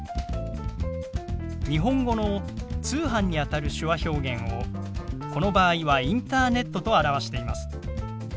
日本語の「通販」にあたる手話表現をこの場合は「インターネット」と表しています。